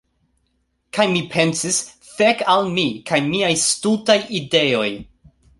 Kaj mi pensis: "Fek al mi kaj miaj stultaj ideoj!"